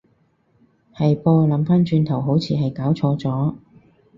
係噃，諗返轉頭好似係攪錯咗